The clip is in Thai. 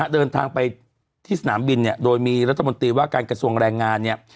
เดินทางไปที่สนามบินเนี่ยโดยมีรัฐมนตรีว่าการกระทรวงแรงงานเนี่ย